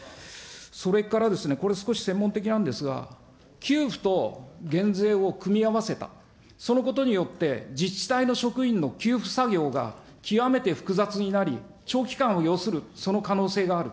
それからですね、これ少し専門的なんですが、給付と減税を組み合わせた、そのことによって自治体の職員の給付作業が極めて複雑になり、長期間を要する、その可能性がある。